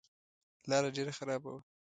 لاره ډېره خرابه وه.